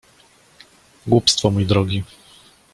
— Głupstwo, mój drogi.